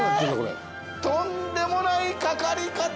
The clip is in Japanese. とんでもない掛かり方！